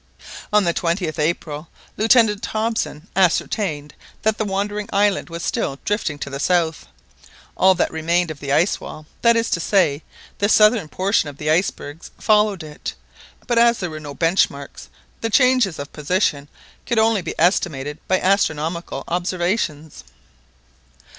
On the 20th April Lieutenant Hobson ascertained that the wandering island was still drifting to the south. All that remained of the ice wall, that is to say, the southern portion of the icebergs, followed it, but as there were no bench marks, the changes of position could only be estimated by astronomical observations.